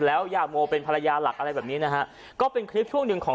แล้วยาโมเป็นภรรยาหลักอะไรแบบนี้นะฮะก็เป็นคลิปช่วงหนึ่งของ